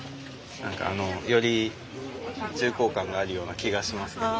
何かあのより重厚感があるような気がしますけど。